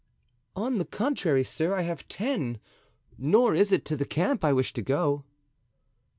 "On the contrary, sir, I have ten; nor is it to the camp I wish to go."